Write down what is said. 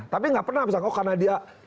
tapi nggak pernah misalnya karena dia